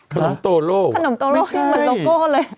ขนมโตโล่ก็ไม่ใช่หยุดเลย